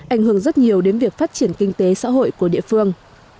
ảnh hưởng rất nhiều đến việc phát triển kinh tế xã hội của địa phương